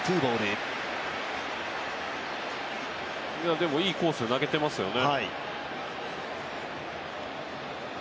でもいいコースで投げてますよね。